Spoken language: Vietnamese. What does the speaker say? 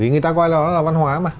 vì người ta coi nó là văn hóa mà